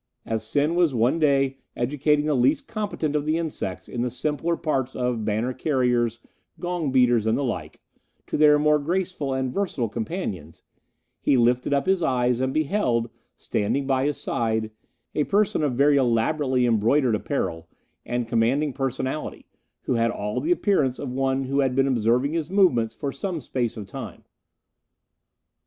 "As Sen was one day educating the least competent of the insects in the simpler parts of banner carriers, gong beaters, and the like, to their more graceful and versatile companions, he lifted up his eyes and beheld, standing by his side, a person of very elaborately embroidered apparel and commanding personality, who had all the appearance of one who had been observing his movements for some space of time.